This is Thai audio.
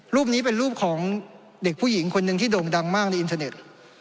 รูปนี้เป็นรูปของเด็กผู้หญิงคนหนึ่งที่โด่งดังมากในอินเทอร์เน็ต